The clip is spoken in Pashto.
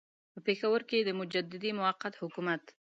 په پېښور کې د مجددي موقت حکومت.